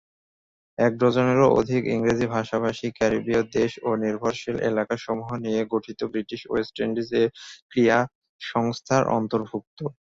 এক ডজনেরও অধিক ইংরেজি ভাষা-ভাষী ক্যারিবিয় দেশ ও নির্ভরশীল এলাকাসমূহ নিয়ে গঠিত ব্রিটিশ ওয়েস্ট ইন্ডিজ এ ক্রীড়া সংস্থার অন্তর্ভুক্ত।